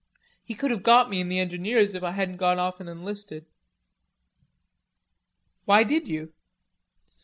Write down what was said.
He could have got me in the engineers if I hadn't gone off an' enlisted." "Why did you?"